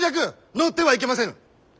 乗ってはいけませぬ！